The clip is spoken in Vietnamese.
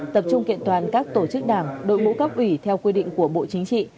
tập trung kiện toàn các tổ chức đảng đội ngũ cấp ủy theo quy định của bộ chính trị